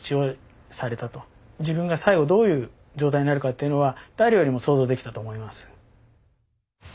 自分が最後どういう状態になるかというのは誰よりも想像できたと思います。